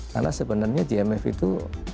karena sebenarnya gmf itu